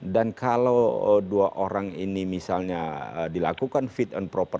dan kalau dua orang ini misalnya dilakukan fit and proper